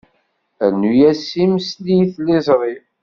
Rnu-as imesli i tliẓri.